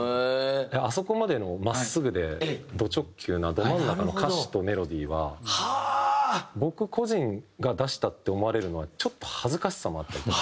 あそこまでの真っすぐでド直球なド真ん中の歌詞とメロディーは僕個人が出したって思われるのはちょっと恥ずかしさもあったりとか。